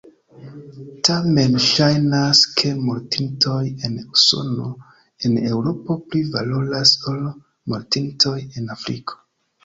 Tamen ŝajnas, ke mortintoj en Usono, en Eŭropo pli valoras ol mortintoj en Afriko.